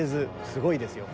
すごいですよ